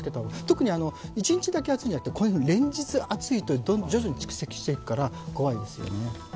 特に１日だけ暑いんじゃなくて、こういうふうに連日暑いと徐々に蓄積していくから怖いですよね。